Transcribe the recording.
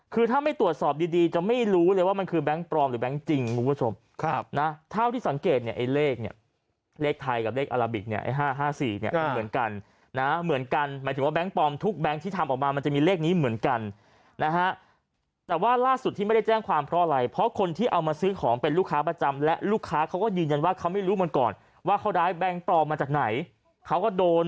เขาไม่รู้มันก่อนว่าเขาได้แบงค์ปลอมมาจากไหนเขาก็โดน